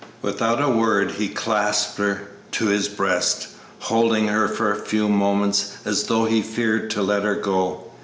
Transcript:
Without a word he clasped her to his breast, holding her for a few moments as though he feared to let her go.